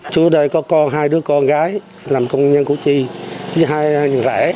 chú đây có hai đứa con gái làm công nhân cụ trì với hai người rẻ